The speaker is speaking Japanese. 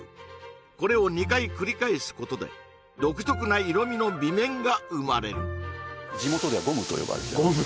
これを２回繰り返すことで独特な色味の美麺が生まれる地元ではゴムと呼ばれてます